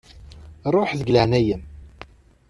Ruḥ, deg leɛnaya-m.